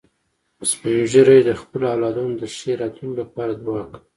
سپین ږیری د خپلو اولادونو د ښې راتلونکې لپاره دعا کوي